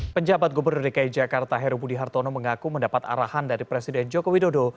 penjabat gubernur dki jakarta heru budi hartono mengaku mendapat arahan dari presiden joko widodo